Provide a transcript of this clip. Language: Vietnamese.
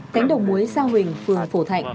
cánh đồng muối sao huỳnh phường phổ thạnh